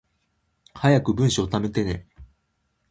早く文章溜めてね